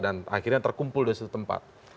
dan akhirnya terkumpul di suatu tempat